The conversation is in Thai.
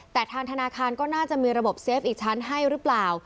แต่ทางธนาคารก็น่าจะมีระบบเซฟอีกชั้นให้หรือเปล่า